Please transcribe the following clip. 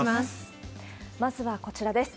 まずはこちらです。